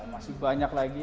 masih banyak lagi